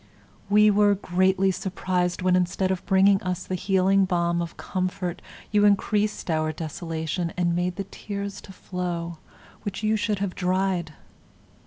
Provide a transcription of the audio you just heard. …We were greatly surprised when instead of bringing us the healing balm of comfort you increased our desolation and made the tears to flow which you should have dried.